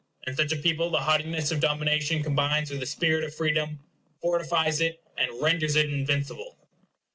In such a people the haughtiness of domination combines with the spirit of freedom, fortifies it, and renders it invincible.